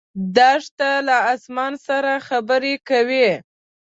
دښته له اسمان سره خبرې کوي.